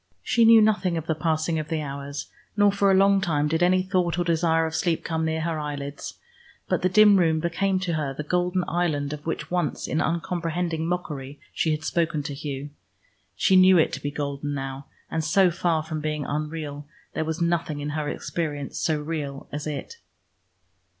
She knew nothing of the passing of the hours, nor for a long time did any thought or desire of sleep come near her eyelids, but the dim room became to her the golden island of which once in uncomprehending mockery she had spoken to Hugh. She knew it to be golden now, and so far from being unreal, there was nothing in her experience so real as it.